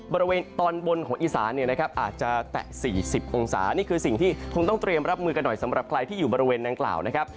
บริเวณตอนบนของอีสานเนี่ยนะครับอาจจะแตะ๔๐องศานี่คือสิ่งที่คงต้องเตรียมรับมือกันหน่อยสำหรับใครที่อยู่บริเวณนางกล่าวนะครับ